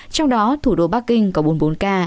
trong đó thủ đô bắc kinh có bốn mươi bốn ca